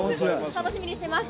楽しみにしています。